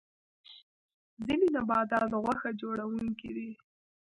ځینې نباتات غوښه خوړونکي دي